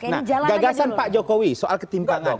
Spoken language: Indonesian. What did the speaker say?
nah gagasan pak jokowi soal ketimpangan